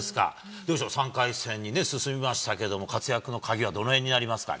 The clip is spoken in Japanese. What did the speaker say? どうですか、３回戦に進みましたけど、活躍の鍵はどのへんになりますかね？